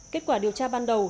kết quả điều tra ban đầu